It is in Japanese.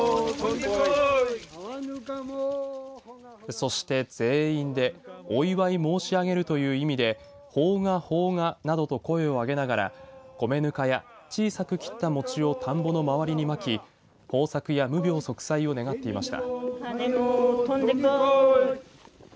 そして全員でお祝い申し上げるという意味で奉賀、奉賀などと声を上げながら米ぬかや、小さく切った餅を田んぼの周りにまき豊作や無病息災を願っていました。